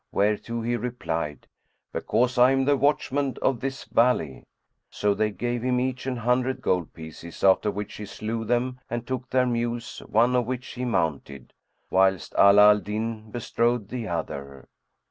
whereto he replied, "Because I am the watchman of this valley." So they gave him each an hundred gold pieces, after which he slew them and took their mules, one of which he mounted, whilst Ala al Din bestrode the other.